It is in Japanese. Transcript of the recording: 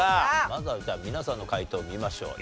まずは皆さんの解答見ましょう。